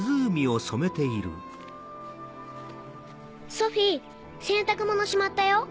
ソフィー洗濯物しまったよ。